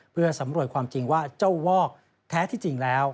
เพื่อสำรวจความจริงว่าเจ้าวอกแท้ที่จริงแล้ว